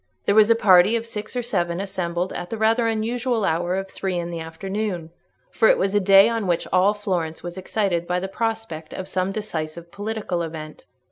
There was a party of six or seven assembled at the rather unusual hour of three in the afternoon; for it was a day on which all Florence was excited by the prospect of some decisive political event.